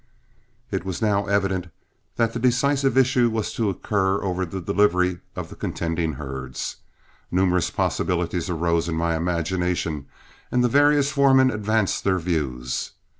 It was now evident that the decisive issue was to occur over the delivery of the contending herds. Numerous possibilities arose in my imagination, and the various foremen advanced their views.